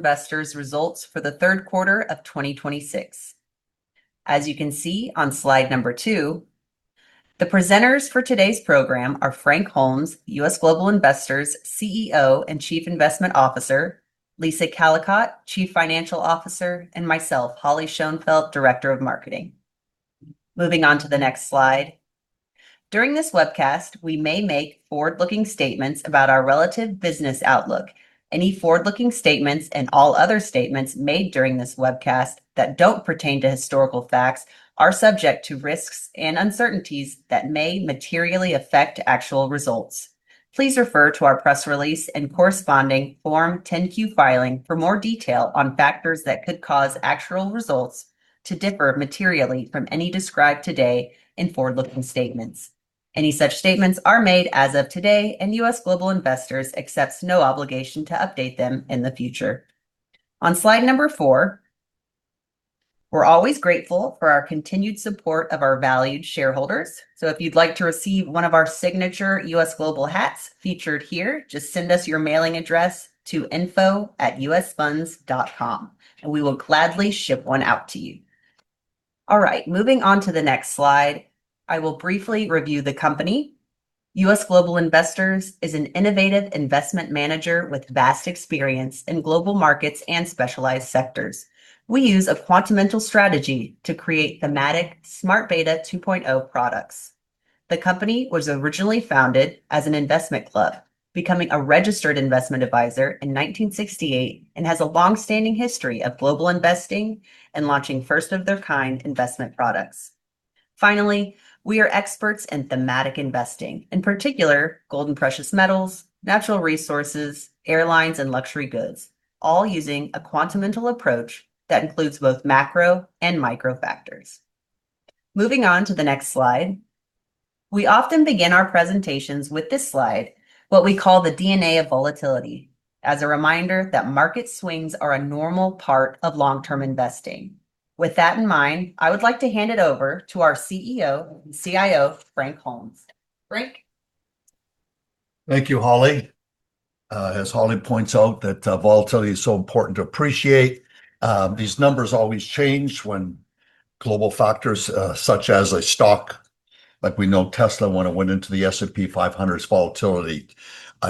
Investors results for the third quarter of 2026. As you can see on slide 2, the presenters for today's program are Frank Holmes, U.S. Global Investors CEO and Chief Investment Officer, Lisa Callicotte, Chief Financial Officer, and myself, Holly Schoenfeldt, Director of Marketing. Moving on to the next slide. During this webcast, we may make forward-looking statements about our relative business outlook. Any forward-looking statements and all other statements made during this webcast that don't pertain to historical facts are subject to risks and uncertainties that may materially affect actual results. Please refer to our press release and corresponding Form 10-Q filing for more detail on factors that could cause actual results to differ materially from any described today in forward-looking statements. Any such statements are made as of today, and U.S. Global Investors accepts no obligation to update them in the future. On slide number 4, we're always grateful for our continued support of our valued shareholders. If you'd like to receive one of our signature U.S. Global hats featured here, just send us your mailing address to info@usfunds.com, we will gladly ship one out to you. All right, moving on to the next slide, I will briefly review the company. U.S. Global Investors is an innovative investment manager with vast experience in global markets and specialized sectors. We use a quantamental strategy to create thematic Smart Beta 2.0 products. The company was originally founded as an investment club, becoming a registered investment advisor in 1968 and has a long-standing history of global investing and launching first of their kind investment products. Finally, we are experts in thematic investing, in particular gold and precious metals, natural resources, airlines and luxury goods, all using a quantamental approach that includes both macro and micro factors. Moving on to the next slide. We often begin our presentations with this slide, what we call the DNA of volatility, as a reminder that market swings are a normal part of long-term investing. With that in mind, I would like to hand it over to our CEO and CIO, Frank Holmes. Frank? Thank you, Holly. As Holly points out that volatility is so important to appreciate, these numbers always change when global factors, such as a stock, like we know Tesla when it went into the S&P 500's volatility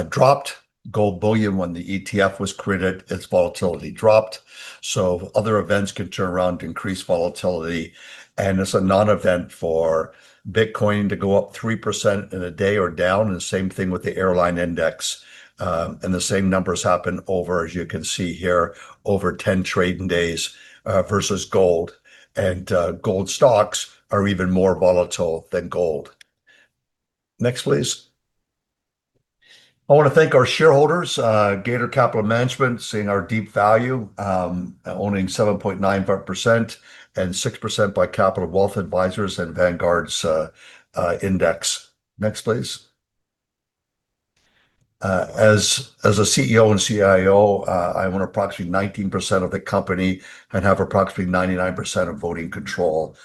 dropped. Gold bullion, when the ETF was created, its volatility dropped. Other events could turn around to increase volatility, and it's a non-event for Bitcoin to go up 3% in a day or down, and the same thing with the airline index. The same numbers happen over, as you can see here, over 10 trading days, versus gold. Gold stocks are even more volatile than gold. Next, please. I want to thank our shareholders, Gator Capital Management, seeing our deep value, owning 7.9% and 6% by Capital Wealth Advisors and Vanguard's index. Next, please. As a CEO and CIO, I own approximately 19% of the company and have approximately 99% of voting control.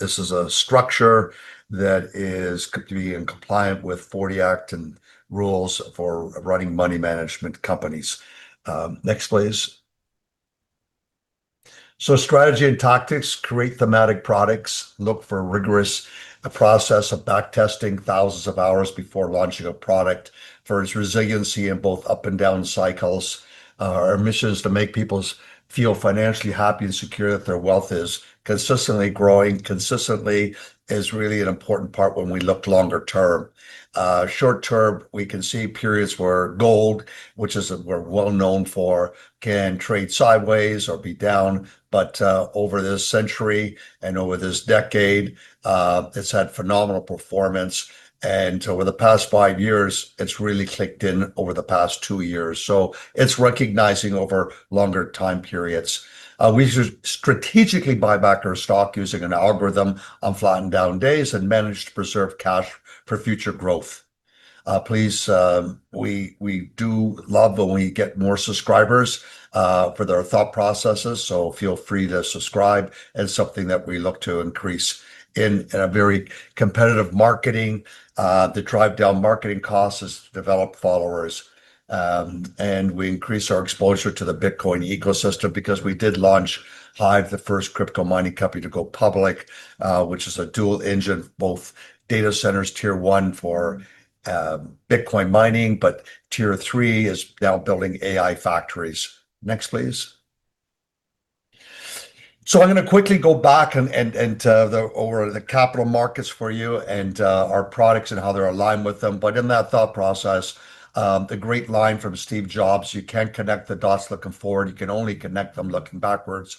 This is a structure that is going to be in compliant with '40 Act and rules for running money management companies. Next, please. Strategy and tactics create thematic products. Look for rigorous process of back testing thousands of hours before launching a product for its resiliency in both up and down cycles. Our mission is to make people feel financially happy and secure that their wealth is consistently growing. Consistently is really an important part when we look longer term. Short term, we can see periods where gold, which is we're well-known for, can trade sideways or be down. Over this century and over this decade, it's had phenomenal performance. Over the past five years, it's really clicked in over the past two years. It's recognizing over longer time periods. We strategically buy back our stock using an algorithm on flatten down days and manage to preserve cash for future growth. Please, we do love when we get more subscribers for their thought processes, so feel free to subscribe. It's something that we look to increase in a very competitive marketing. The drive down marketing costs has developed followers, and we increase our exposure to the Bitcoin ecosystem because we did launch HIVE, the first crypto mining company to go public, which is a dual engine, both data centers tier 1 for Bitcoin mining, but tier 3 is now building AI factories. Next, please. I'm gonna quickly go back over the capital markets for you and our products and how they're aligned with them. In that thought process, the great line from Steve Jobs, "You can't connect the dots looking forward. You can only connect them looking backwards."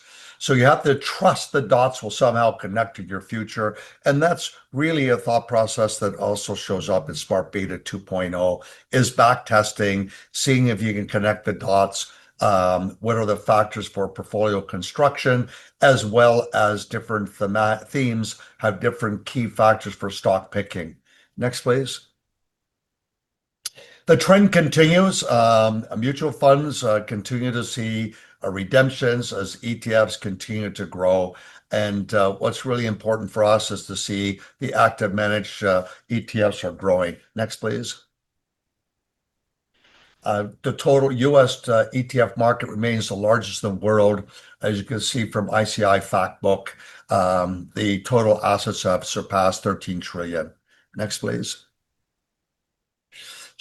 You have to trust the dots will somehow connect to your future, and that's really a thought process that also shows up in Smart Beta 2.0 is back testing, seeing if you can connect the dots, what are the factors for portfolio construction, as well as different themes have different key factors for stock picking. Next, please. The trend continues. Mutual funds continue to see redemptions as ETFs continue to grow. What's really important for us is to see the active managed ETFs are growing. Next, please. The total U.S. ETF market remains the largest in the world, as you can see from ICI Fact Book. The total assets have surpassed 13 trillion. Next, please.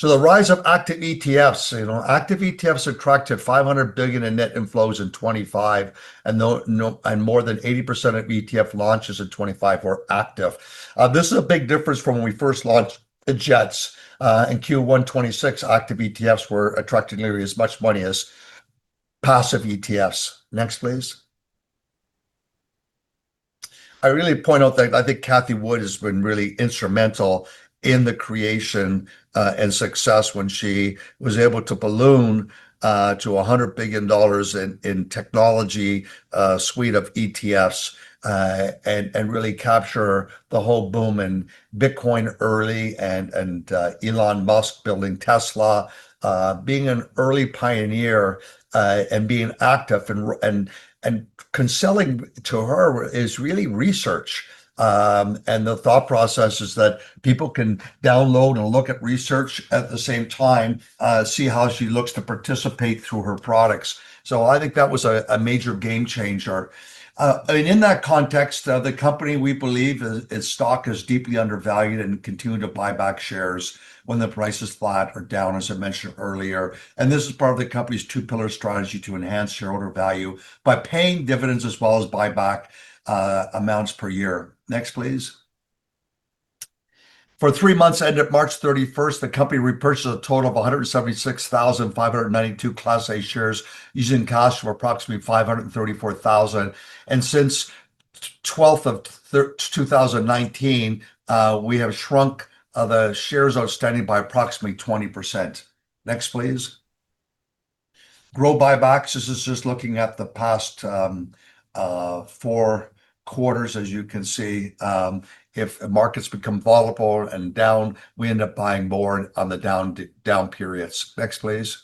The rise of active ETFs. You know, active ETFs attracted $500 billion in net inflows in 2025, and more than 80% of ETF launches in 2025 were active. This is a big difference from when we first launched the JETS. In Q1 2026 active ETFs were attracting nearly as much money as passive ETFs. Next, please. I really point out that I think Cathie Wood has been really instrumental in the creation and success when she was able to balloon to $100 billion in technology suite of ETFs, and really capture the whole boom in Bitcoin early and Elon Musk building Tesla. Being an early pioneer, and being active and concealing to her is really research. The thought process is that people can download and look at research at the same time, see how she looks to participate through her products. I think that was a major game changer. I mean, in that context, the company we believe is, its stock is deeply undervalued and continuing to buy back shares when the price is flat or down, as I mentioned earlier. This is part of the company's 2-pillar strategy to enhance shareholder value by paying dividends as well as buyback amounts per year. Next, please. For three months ended March 31st, the company repurchased a total of 176,592 Class A shares using cash of approximately $534,000. Since 12th of 2019, we have shrunk the shares outstanding by approximately 20%. Next, please. GROW by buybacks. This is just looking at the past 4 quarters. As you can see, if markets become volatile and down, we end up buying more on the down periods. Next, please.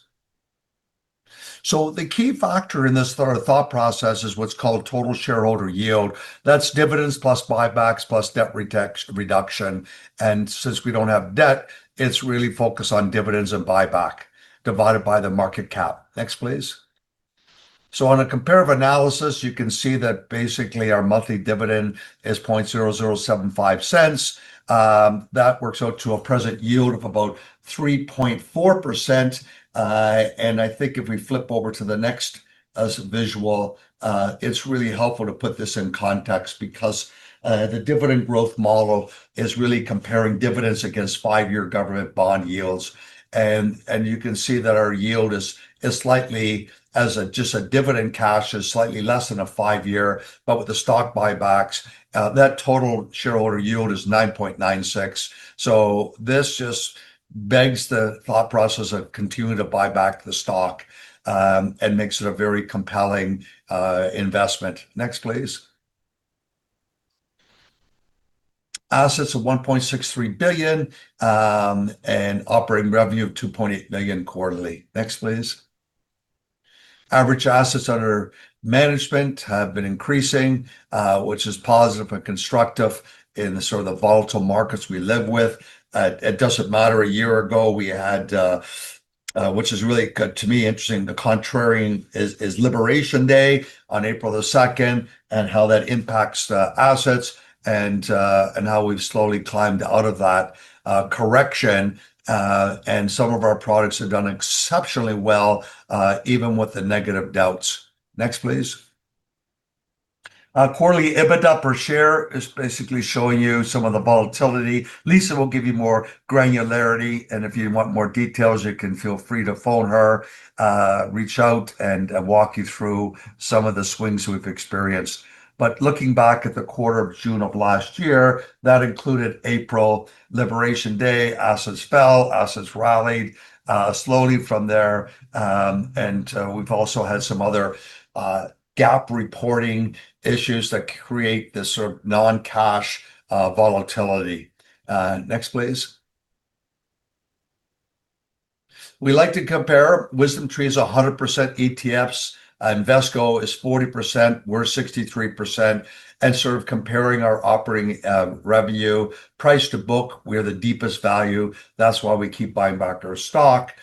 The key factor in this thought process is what's called Total Shareholder Yield. That's dividends plus buybacks plus debt reduction. Since we don't have debt, it's really focused on dividends and buyback divided by the market cap. Next, please. On a comparative analysis, you can see that basically our monthly dividend is $0.0075. That works out to a present yield of about 3.4%. I think if we flip over to the next visual, it's really helpful to put this in context because the dividend growth model is really comparing dividends against five-year government bond yields. You can see that our yield is slightly less than a five-year, but with the stock buybacks, that total shareholder yield is 9.96%. This just begs the thought process of continuing to buy back the stock, and makes it a very compelling investment. Next, please. Assets of $1.63 billion, and operating revenue of $2.8 million quarterly. Next, please. Average assets under management have been increasing, which is positive and constructive in the sort of the volatile markets we live with. It doesn't matter. A year ago, we had, which is really to me, interesting, the contrarian is, Liberation Day on April 2, and how that impacts the assets and how we've slowly climbed out of that correction. And some of our products have done exceptionally well, even with the negative doubts. Next, please. Quarterly EBITDA per share is basically showing you some of the volatility. Lisa will give you more granularity, and if you want more details, you can feel free to phone her, reach out and walk you through some of the swings we've experienced. Looking back at the quarter of June of last year, that included April Liberation Day, assets fell, assets rallied slowly from there. We've also had some other GAAP reporting issues that create this sort of non-cash volatility. Next, please. We like to compare WisdomTree's 100% ETFs. Invesco is 40%, we're 63%. Sort of comparing our operating revenue price to book, we're the deepest value. That's why we keep buying back our stock.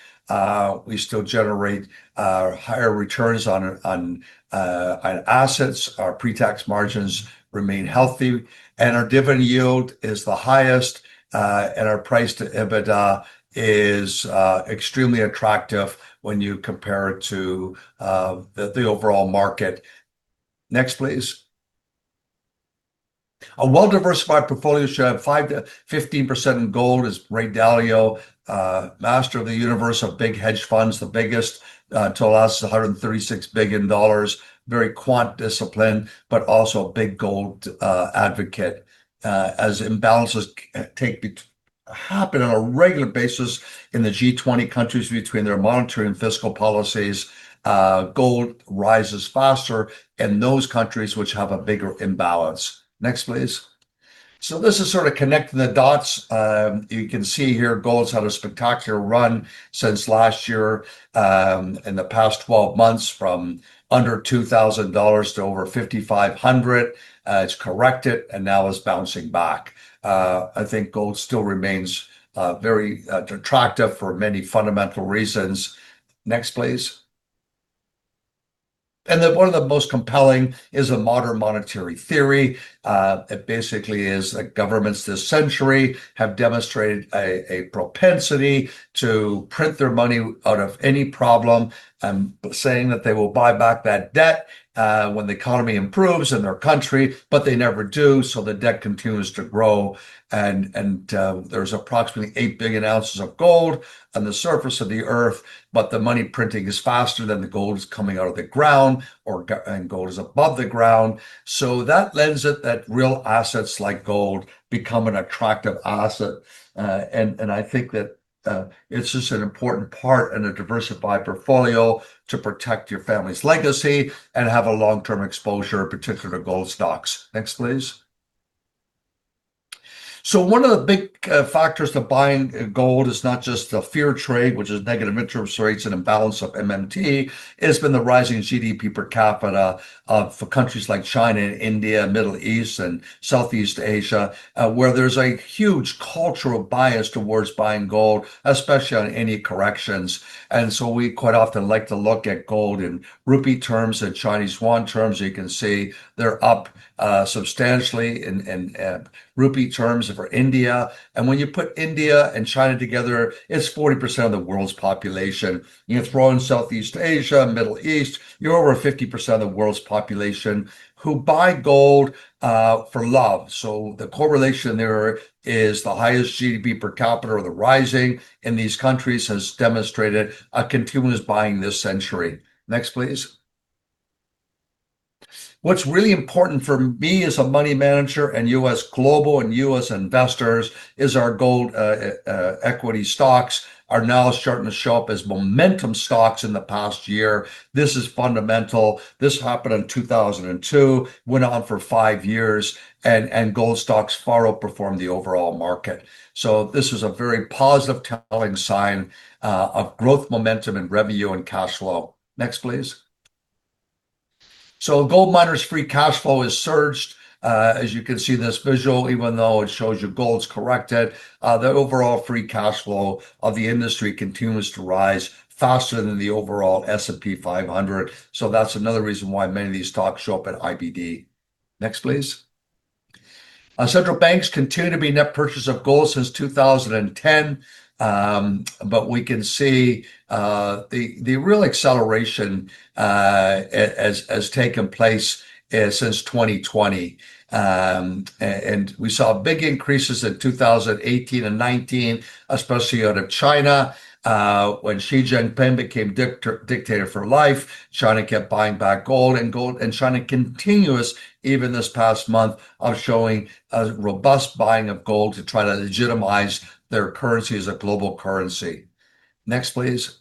We still generate higher returns on assets. Our pre-tax margins remain healthy. Our dividend yield is the highest, and our price to EBITDA is extremely attractive when you compare it to the overall market. Next, please. A well-diversified portfolio should have 5% to 15% in gold, as Ray Dalio, master of the universe of big hedge funds, the biggest, to last $136 billion, very quant discipline, also a big gold advocate. As imbalances happen on a regular basis in the G20 countries between their monetary and fiscal policies, gold rises faster in those countries which have a bigger imbalance. Next, please. This is sort of connecting the dots. You can see here gold's had a spectacular run since last year, in the past 12 months, from under $2,000 to over $5,500. It's corrected and now is bouncing back. I think gold still remains very attractive for many fundamental reasons. Next, please. One of the most compelling is a Modern Monetary Theory. It basically is that governments this century have demonstrated a propensity to print their money out of any problem, saying that they will buy back that debt when the economy improves in their country, but they never do, so the debt continues to grow and there's approximately 8 billion ounces of gold on the surface of the earth, but the money printing is faster than the gold is coming out of the ground or and gold is above the ground. That lends it that real assets like gold become an attractive asset. I think that it's just an important part in a diversified portfolio to protect your family's legacy and have a long-term exposure, in particular gold stocks. Next, please. One of the big factors to buying gold is not just the fear trade, which is negative interest rates and imbalance of MMT. It's been the rising GDP per capita for countries like China and India, Middle East, and Southeast Asia, where there's a huge cultural bias towards buying gold, especially on any corrections. We quite often like to look at gold in rupee terms and Chinese yuan terms. You can see they're up substantially in rupee terms for India. When you put India and China together, it's 40% of the world's population. You throw in Southeast Asia, Middle East, you're over 50% of the world's population who buy gold for love. The correlation there is the highest GDP per capita or the rising in these countries has demonstrated a continuous buying this century. Next, please. What's really important for me as a money manager and U.S. Global Investors is our gold equity stocks are now starting to show up as momentum stocks in the past year. This is fundamental. This happened in 2002, went on for five years, and gold stocks far outperformed the overall market. This is a very positive telling sign of growth momentum and revenue and cash flow. Next, please. Gold miners' free cash flow has surged. As you can see this visual, even though it shows you gold's corrected, the overall free cash flow of the industry continues to rise faster than the overall S&P 500. That's another reason why many of these stocks show up at IBD. Next, please. Central banks continue to be net purchaser of gold since 2010. We can see the real acceleration has taken place since 2020. We saw big increases in 2018 and 2019, especially out of China. When Xi Jinping became dictator for life, China kept buying back gold, China continues even this past month of showing a robust buying of gold to try to legitimize their currency as a global currency. Next, please.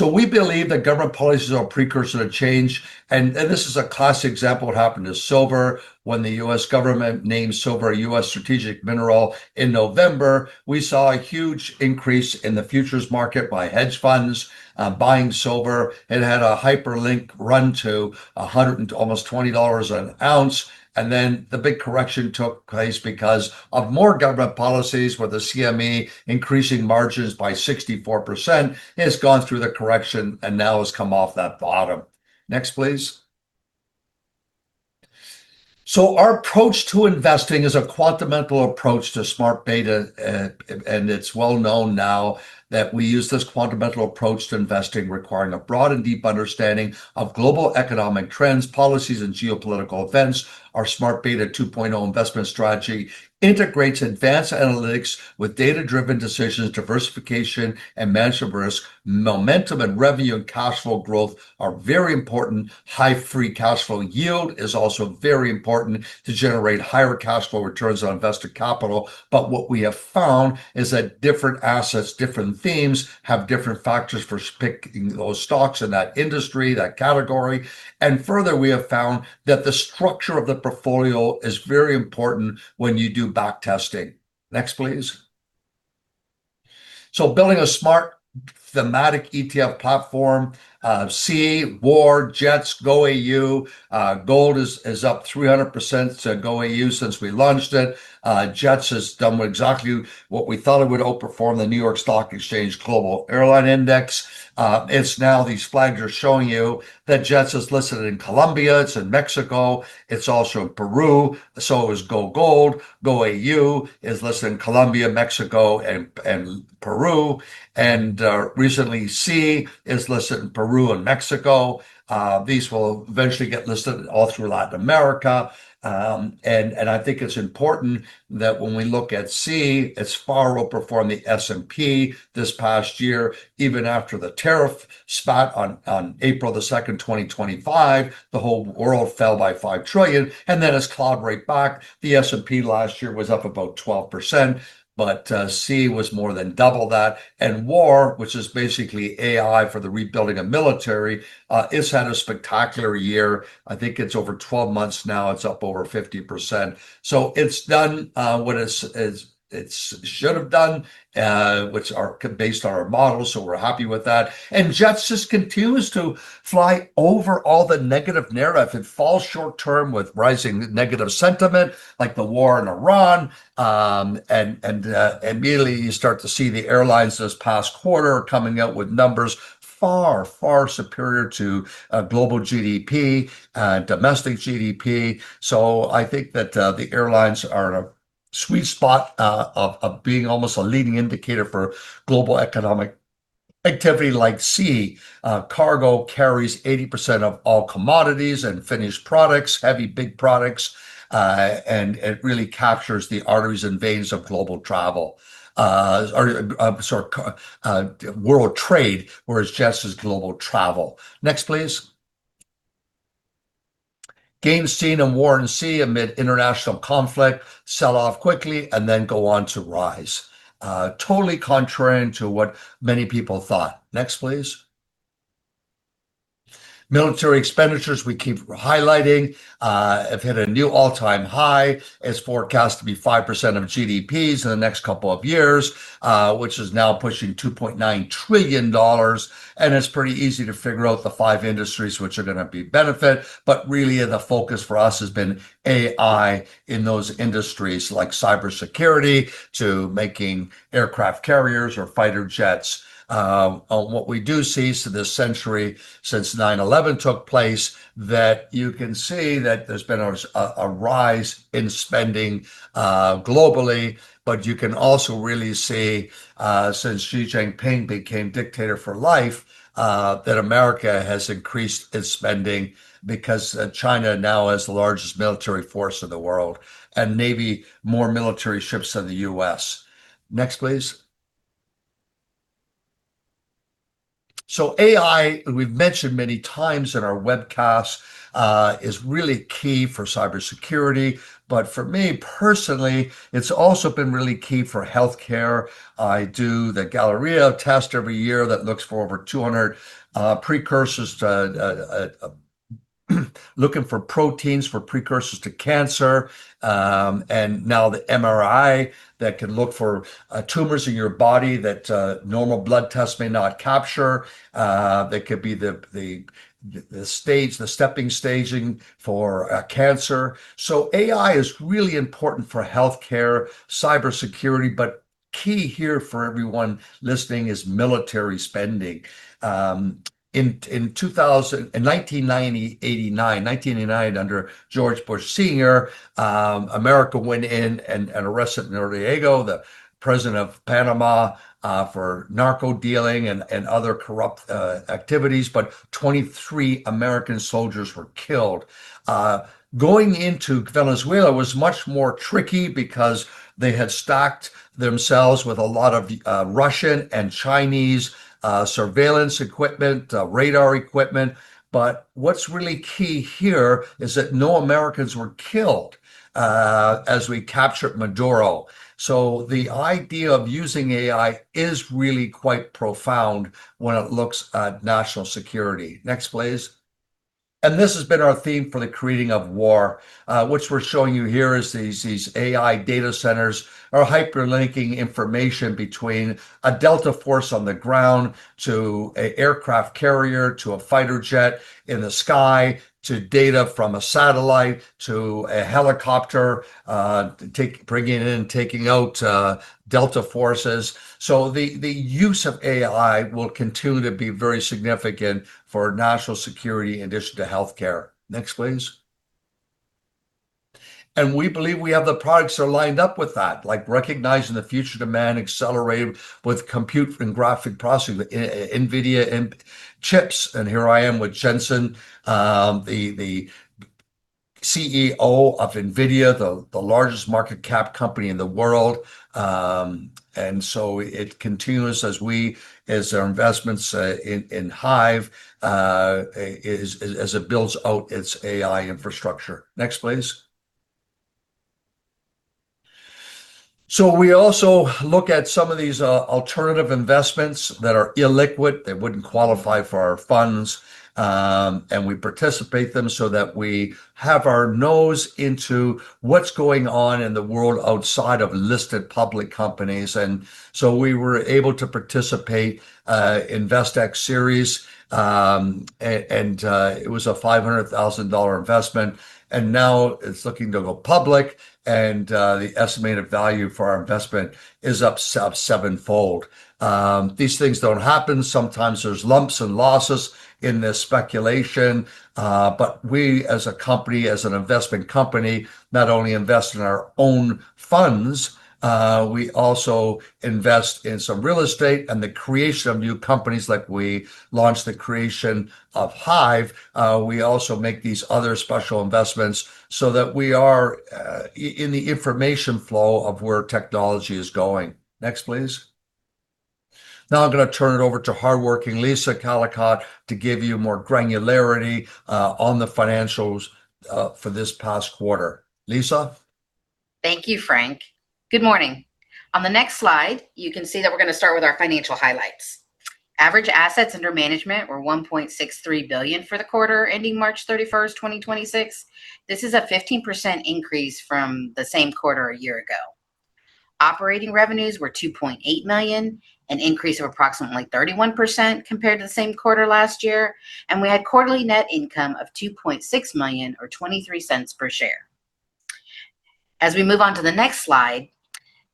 We believe that government policies are a precursor to change. This is a classic example what happened to silver. When the U.S. government named silver a U.S. strategic mineral in November, we saw a huge increase in the futures market by hedge funds, buying silver. It had a hyperlink run to $120 an ounce, and then the big correction took place because of more government policies, with the CME increasing margins by 64%. It's gone through the correction and now has come off that bottom. Next, please. Our approach to investing is a quantamental approach to Smart Beta, and it's well known now that we use this quantamental approach to investing, requiring a broad and deep understanding of global economic trends, policies, and geopolitical events. Our Smart Beta 2.0 investment strategy integrates advanced analytics with data-driven decisions, diversification, and management of risk. Momentum and revenue and cash flow growth are very important. High free cash flow yield is also very important to generate higher cash flow returns on invested capital. What we have found is that different assets, different themes, have different factors for picking those stocks in that industry, that category. Further, we have found that the structure of the portfolio is very important when you do back testing. Next, please. Building a smart thematic ETF platform, SEA, WAR, JETS, GOAU. Gold is up 300%, so GOAU since we launched it. JETS has done exactly what we thought it would outperform the NYSE Arca Global Airline Index. It's now, these flags are showing you that JETS is listed in Colombia, it's in Mexico, it's also in Peru. So is GOAU. GOAU is listed in Colombia, Mexico, and Peru. Recently, SEA is listed in Peru and Mexico. These will eventually get listed all through Latin America. I think it's important that when we look at SEA, it's far outperformed the S&P this past year, even after the tariff spat on April 2, 2025. The whole world fell by $5 trillion. As cloud broke back, the S&P last year was up about 12%. SEA was more than double that. WAR, which is basically AI for the rebuilding of military, it's had a spectacular year. I think it's over 12 months now, it's up over 50%. It's done what it's should have done, which are based on our models, we're happy with that. JETS just continues to fly over all the negative narrative. It falls short-term with rising negative sentiment, like the war in Iran. Immediately you start to see the airlines this past quarter coming out with numbers far, far superior to global GDP, domestic GDP. I think that the airlines are a sweet spot of being almost a leading indicator for global economic activity like sea, cargo carries 80% of all commodities and finished products, heavy, big products, and it really captures the arteries and veins of global travel. World trade, or it's just as global travel. Next, please. Gains seen in WAR and SEA amid international conflict sell off quickly and then go on to rise. Totally contrary to what many people thought. Next, please. Military expenditures, we keep highlighting, have hit a new all-time high. It's forecast to be 5% of GDPs in the next couple of years, which is now pushing $2.9 trillion. It's pretty easy to figure out the five industries which are gonna be benefit. Really, the focus for us has been AI in those industries, like cybersecurity to making aircraft carriers or fighter jets. What we do see, so this century since 9/11 took place, that you can see that there's been a rise in spending, globally. You can also really see, since Xi Jinping became dictator for life, that America has increased its spending because China now has the largest military force in the world, and maybe more military ships than the U.S. Next, please. AI, we've mentioned many times in our webcasts, is really key for cybersecurity. For me personally, it's also been really key for healthcare. I do the Galleri test every year that looks for over 200 precursors to looking for proteins, for precursors to cancer. Now the MRI that can look for tumors in your body that normal blood tests may not capture. That could be the stage, the stepping staging for cancer. AI is really important for healthcare, cybersecurity, but key here for everyone listening is military spending. In 1989, under George H. W. Bush, America went in and arrested Noriega, the president of Panama, for narco dealing and other corrupt activities, but 23 American soldiers were killed. Going into Venezuela was much more tricky because they had stocked themselves with a lot of Russian and Chinese surveillance equipment, radar equipment. What's really key here is that no Americans were killed as we captured Maduro. The idea of using AI is really quite profound when it looks at national security. Next, please. This has been our theme for the creating of WAR. Which we're showing you here is these AI data centers are hyperlinking information between a Delta Force on the ground, to an aircraft carrier, to a fighter jet in the sky, to data from a satellite, to a helicopter, bringing in, taking out Delta Forces. The use of AI will continue to be very significant for national security in addition to healthcare. Next, please. We believe we have the products that are lined up with that, like recognizing the future demand accelerated with compute and graphics processing, NVIDIA and chips. Here I am with Jensen, the CEO of NVIDIA, the largest market cap company in the world. It continues as our investments in HIVE as it builds out its AI infrastructure. Next, please. We also look at some of these alternative investments that are illiquid, they wouldn't qualify for our funds. We participate them so that we have our nose into what's going on in the world outside of listed public companies. We were able to participate InvestX series, and it was a $500,000 investment, and now it's looking to go public, and the estimated value for our investment is up sevenfold. These things don't happen. Sometimes there's lumps and losses in this speculation. We as a company, as an investment company, not only invest in our own funds, we also invest in some real estate and the creation of new companies. Like we launched the creation of HIVE. We also make these other special investments so that we are in the information flow of where technology is going. Next, please. Now I'm gonna turn it over to hardworking Lisa Callicotte to give you more granularity on the financials for this past quarter. Lisa? Thank you, Frank. Good morning. On the next slide, you can see that we're gonna start with our financial highlights. Average assets under management were $1.63 billion for the quarter ending March 31st, 2026. This is a 15% increase from the same quarter a year ago. Operating revenues were $2.8 million, an increase of approximately 31% compared to the same quarter last year. We had quarterly net income of $2.6 million or $0.23 per share. As we move on to the next slide,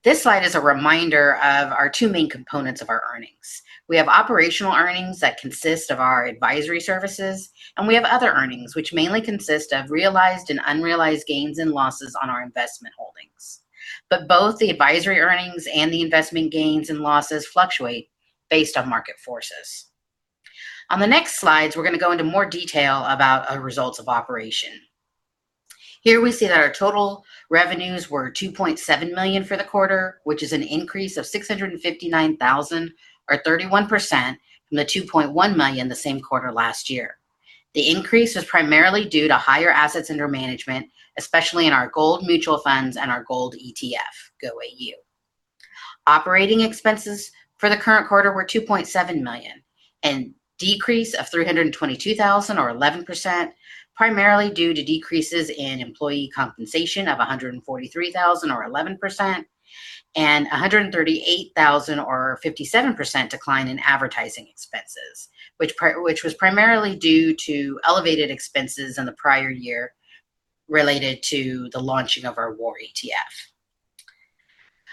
this slide is a reminder of our two main components of our earnings. We have operational earnings that consist of our advisory services, and we have other earnings, which mainly consist of realized and unrealized gains and losses on our investment holdings. Both the advisory earnings and the investment gains and losses fluctuate based on market forces. On the next slides, we're gonna go into more detail about our results of operation. Here we see that our total revenues were $2.7 million for the quarter, which is an increase of $659,000 or 31% from the $2.1 million the same quarter last year. The increase was primarily due to higher assets under management, especially in our gold mutual funds and our gold ETF, GOAU. Operating expenses for the current quarter were $2.7 million, an decrease of $322,000 or 11%, primarily due to decreases in employee compensation of $143,000 or 11%, and $138,000 or 57% decline in advertising expenses, which was primarily due to elevated expenses in the prior year related to the launching of our WAR ETF.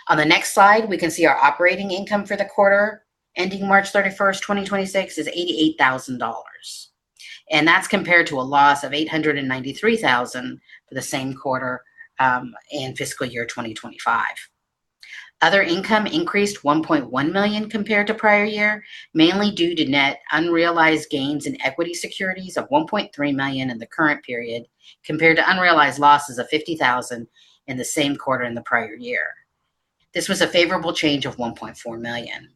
On the next slide, we can see our operating income for the quarter ending March 31st, 2026 is $88,000. That's compared to a loss of $893,000 for the same quarter, in fiscal year 2025. Other income increased $1.1 million compared to prior year, mainly due to net unrealized gains in equity securities of $1.3 million in the current period compared to unrealized losses of $50,000 in the same quarter in the prior year. This was a favorable change of $1.4 million.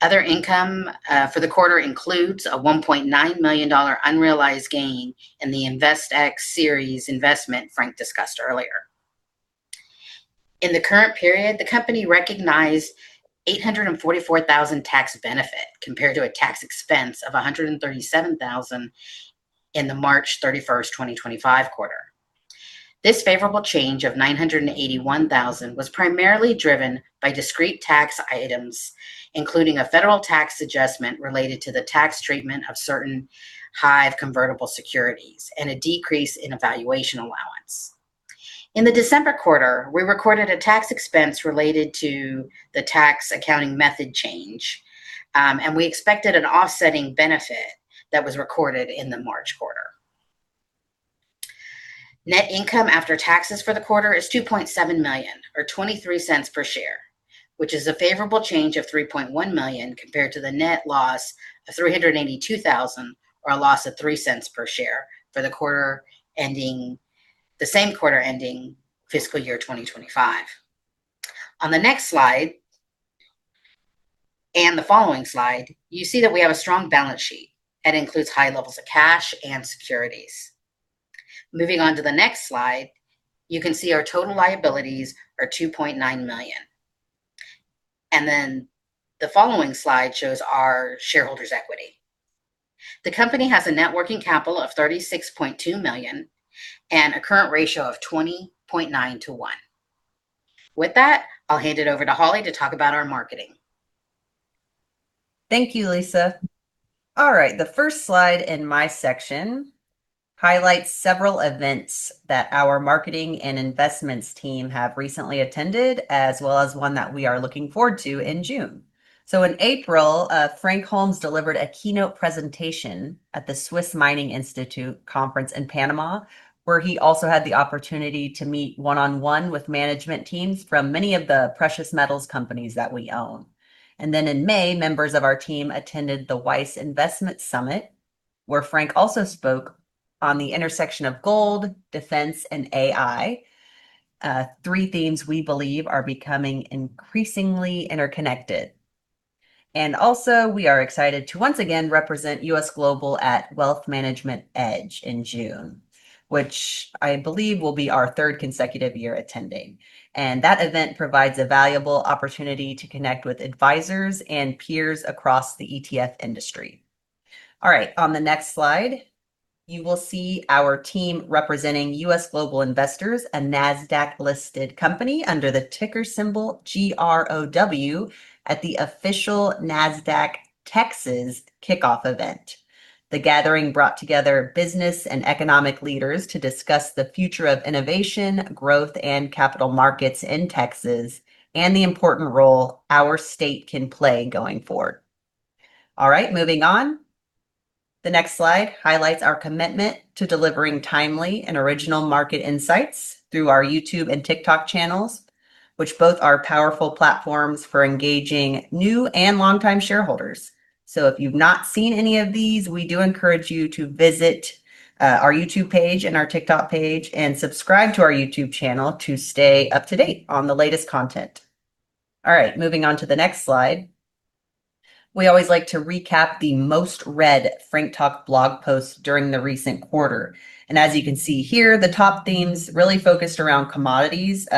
Other income for the quarter includes a $1.9 million unrealized gain in the InvestX series investment Frank discussed earlier. In the current period, the company recognized $844,000 tax benefit, compared to a tax expense of $137,000 in the March 31, 2025 quarter. This favorable change of $981,000 was primarily driven by discrete tax items, including a federal tax adjustment related to the tax treatment of certain HIVE convertible securities and a decrease in valuation allowance. In the December quarter, we recorded a tax expense related to the tax accounting method change, and we expected an offsetting benefit that was recorded in the March quarter. Net income after taxes for the quarter is $2.7 million or $0.23 per share, which is a favorable change of $3.1 million compared to the net loss of $382,000, or a loss of $0.03 per share for the quarter ending the same quarter ending FY 2025. On the next slide and the following slide, you see that we have a strong balance sheet that includes high levels of cash and securities. Moving on to the next slide, you can see our total liabilities are $2.9 million. The following slide shows our shareholders' equity. The company has a net working capital of $36.2 million and a current ratio of 20.9 to 1. With that, I'll hand it over to Holly to talk about our marketing. Thank you, Lisa. All right. The first slide in my section highlights several events that our marketing and investments team have recently attended, as well as one that we are looking forward to in June. In April, Frank Holmes delivered a keynote presentation at the Swiss Mining Institute conference in Panama, where he also had the opportunity to meet one-on-one with management teams from many of the precious metals companies that we own. In May, members of our team attended the Wealthy & Wise Summit, where Frank also spoke on the intersection of gold, defense, and AI, three themes we believe are becoming increasingly interconnected. Also, we are excited to once again represent U.S. Global at Wealth Management EDGE in June, which I believe will be our third consecutive year attending. That event provides a valuable opportunity to connect with advisors and peers across the ETF industry. On the next slide, you will see our team representing U.S. Global Investors, a Nasdaq-listed company under the ticker symbol GROW at the official Nasdaq Texas kickoff event. The gathering brought together business and economic leaders to discuss the future of innovation, growth, and capital markets in Texas and the important role our state can play going forward. Moving on. The next slide highlights our commitment to delivering timely and original market insights through our YouTube and TikTok channels, which both are powerful platforms for engaging new and longtime shareholders. If you've not seen any of these, we do encourage you to visit our YouTube page and our TikTok page and subscribe to our YouTube channel to stay up to date on the latest content. All right, moving on to the next slide. We always like to recap the most read Frank Talk blog posts during the recent quarter. As you can see here, the top themes really focused around commodities,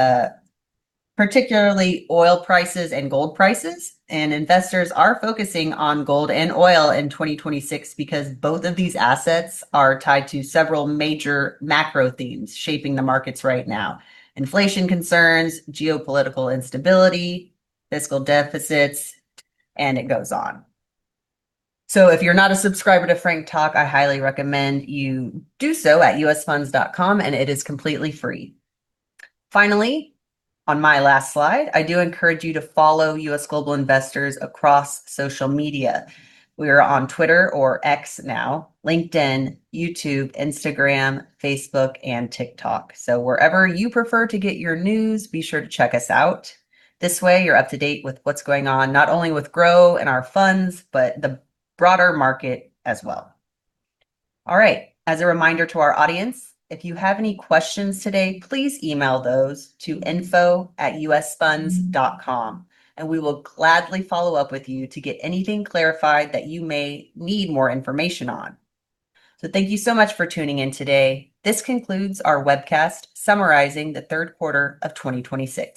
particularly oil prices and gold prices. Investors are focusing on gold and oil in 2026 because both of these assets are tied to several major macro themes shaping the markets right now: inflation concerns, geopolitical instability, fiscal deficits, and it goes on. If you're not a subscriber to Frank Talk, I highly recommend you do so at usfunds.com, and it is completely free. Finally, on my last slide, I do encourage you to follow U.S. Global Investors across social media. We are on Twitter or X now, LinkedIn, YouTube, Instagram, Facebook, and TikTok. Wherever you prefer to get your news, be sure to check us out. This way you're up to date with what's going on, not only with GROW and our funds, but the broader market as well. All right. As a reminder to our audience, if you have any questions today, please email those to info@usfunds.com, and we will gladly follow up with you to get anything clarified that you may need more information on. Thank you so much for tuning in today. This concludes our webcast summarizing the third quarter of 2026.